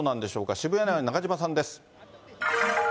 渋谷には中島さんです。